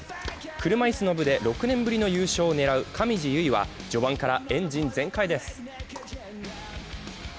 車いすの部で６年ぶりの優勝を狙う上地結衣は序盤からエンジン全開です。